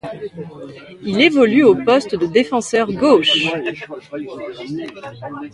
Il évolue au poste de défenseur gauche.